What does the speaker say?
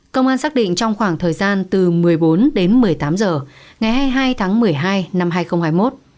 công an xác định trong khoảng thời gian từ một mươi bốn đến một mươi tám h ngày hai mươi hai tháng một mươi hai năm hai nghìn hai mươi một